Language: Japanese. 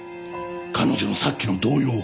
彼女のさっきの動揺を。